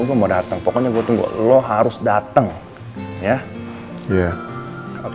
gue mau datang pokoknya gue tunggu lo harus datang ya